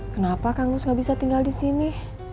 kenapa kang nus gak bisa tinggal di sini